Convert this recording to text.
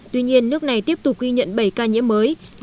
tuy nhiên nước này tiếp tục ghi nhận bảy ca nhiễm mới